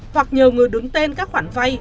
hoặc nhờ người đứng tên các quản vay